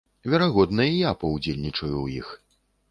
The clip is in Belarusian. Верагодна, і я паўдзельнічаю ў іх.